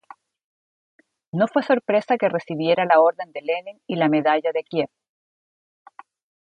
No fue sorpresa que recibiera la Orden de Lenin y la Medalla de Kiev.